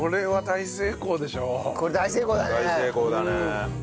大成功だね。